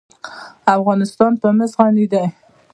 افغانستان په مس غني دی.